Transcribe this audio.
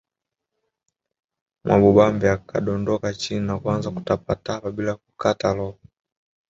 Mwamubambe akadondoka chini na kuanza kutapatapa bila kukata roho